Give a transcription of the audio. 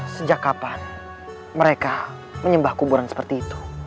sejak kapan mereka menyembah kuburan seperti itu